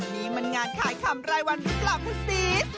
นี่มันงานขายคำไรวันนึกหล่อพฤษ